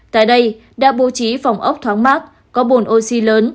tại đây đã bố trí phòng ốc thoáng mát có bồn oxy lớn